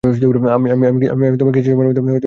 আমি কিছু সময়ের মধ্যেই ফিরে আসছি ঠিক আছে?